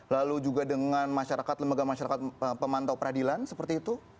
lalu juga dengan masyarakat lembaga masyarakat pemantau peradilan seperti itu